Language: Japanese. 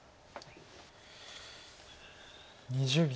２０秒。